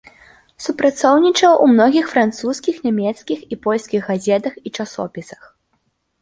Супрацоўнічаў у многіх французскіх, нямецкіх і польскіх газетах і часопісах.